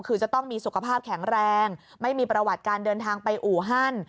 คือจะต้องมีสุขภาพแข็งแรงไม่มีประวัติการเดินทางไปอู่ฮั่น